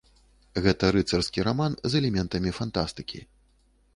Гэта рыцарскі раман з элементамі фантастыкі.